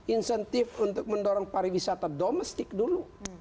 insentif untuk mendorong pariwisata domestik dulu